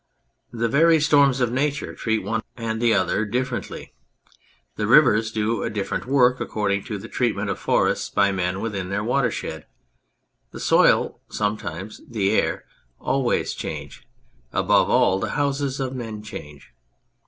The very storms of Nature treat one and the other differently ; the rivers do a different work according to the treatment of forests by men within their watershed ; the soil sometimes, the air always, changes. Above all, the houses of men change.